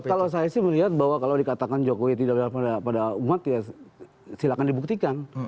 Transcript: kalau saya sih melihat bahwa kalau dikatakan jokowi tidak berhadapan pada umat ya silahkan dibuktikan